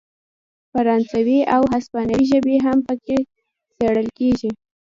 فرانسوي او هسپانوي ژبې هم پکې څیړل کیږي.